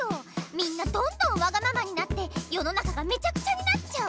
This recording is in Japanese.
みんなどんどんわがままになって世の中がめちゃくちゃになっちゃう！